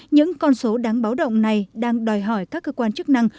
những con số đáng báo động này đang đòi hỏi các cơ quan chức năng